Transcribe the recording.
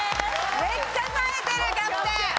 めっちゃさえてるキャプテン！